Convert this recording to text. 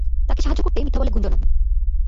তাকে সাহায্য করতে মিথ্যা বলে গুঞ্জনও।